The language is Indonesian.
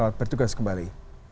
selamat bertugas kembali